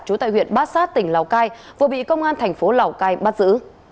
trú tại huyện bát sát tỉnh lào cai vừa bị công an tp lào cai bắt giữ